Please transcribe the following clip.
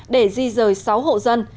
để di rời sáu hộ dân